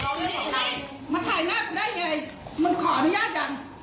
ข้าขอรับใจโอ๊ยมาถ่ายลาบได้ไงมึงขออนยาดยัง